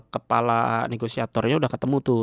kepala negosiatornya udah ketemu tuh